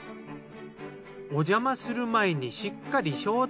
おじゃまする前にしっかり消毒。